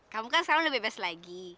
kamu kan sekarang lebih bebas lagi